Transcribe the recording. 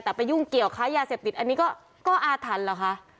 แต่ไปยุ่งเกี่ยวค้ายาเสพติดอันนี้ก็อาถรรพ์เหรอคะ